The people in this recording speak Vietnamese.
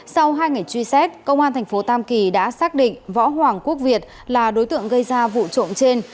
sau hai ngày truy xét công an thành phố tam kỳ đã xác định võ hoàng quốc việt là đối tượng gây ra vụ trộm trên